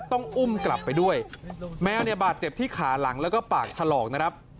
ต้องอุ้มกลับไปด้วยแมวเนี่ยบาดเจ็บที่ขาหลังแล้วก็ปากถลอกนะครับ